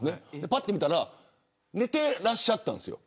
ぱっと見たら寝ていらっしゃったんですよ。